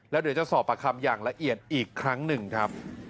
แล้วเดี๋ยวจะสอบประคำอย่างละเอียดอีกครั้งหนึ่งครับ